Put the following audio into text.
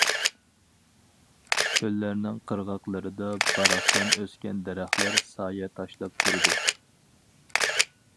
كۆللەرنىڭ قىرغاقلىرىدا باراقسان ئۆسكەن دەرەخلەر سايە تاشلاپ تۇرىدۇ.